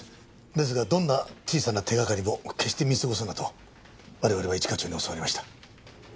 ですがどんな小さな手掛かりも決して見過ごすなと我々は一課長に教わりました。